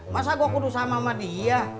masa gue kudus sama sama dia